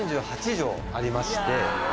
３８帖ありまして。